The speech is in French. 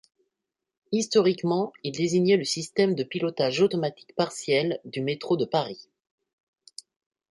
Historiquement il désignait le système de pilotage automatique partiel du métro de Paris.